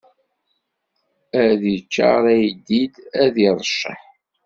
Ar d iččaṛ uyeddid, ar d iṛecceḥ.